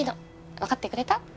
分かってくれた？